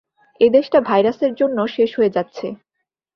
এই দেশটা ভাইরাসের জন্য শেষ হয়ে যাচ্ছে।